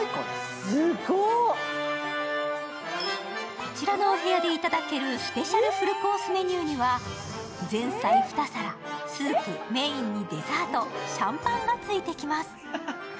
こちらのお部屋で頂けるスペシャルフルコースメニューには、前菜２皿、スープ、メインにデザートシャンパンがついてきます。